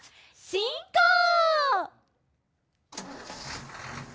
しんこう！